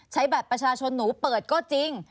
ใช้บัตรประชาชนหนูเปิดก็จริง